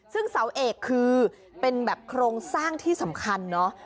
ซึ่งเสาเอกคือเป็นแบบโครงสร้างที่สำคัญเนาะ